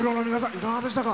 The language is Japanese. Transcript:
いかがでしたか？